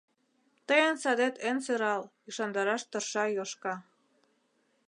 — Тыйын садет эн сӧрал, — ӱшандараш тырша Йошка.